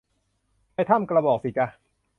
ไปถ้ำกระบอกสิจ๊ะ